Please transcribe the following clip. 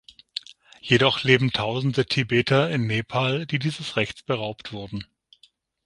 Jedoch leben tausende Tibeter in Nepal, die dieses Rechts beraubt wurden.